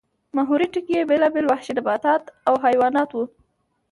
محوري ټکی یې بېلابېل وحشي نباتات او حیوانات وو